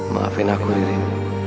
maafin aku ririn